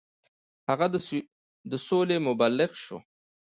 هغه د سولې مبلغ شو.